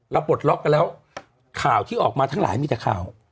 ปลดล็อกกันแล้วข่าวที่ออกมาทั้งหลายมีแต่ข่าว